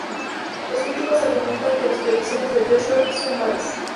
Los críticos argumentan que las predicciones de Joshua son vagas.